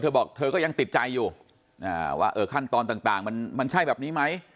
บอกเธอก็ยังติดใจอยู่ว่าขั้นตอนต่างมันใช่แบบนี้ไหม